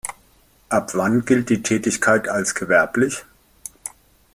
Ab wann gilt die Tätigkeit als gewerblich?